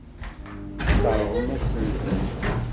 Tesseṛɣem-asen-ten.